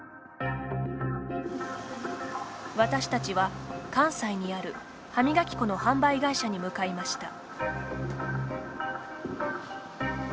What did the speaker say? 私たちは関西にある、歯磨き粉の販売会社に向かいました。